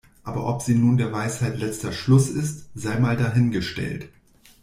Aber ob sie nun der Weisheit letzter Schluss ist, sei mal dahingestellt.